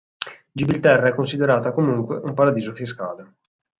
Gibilterra è considerata, comunque, un paradiso fiscale.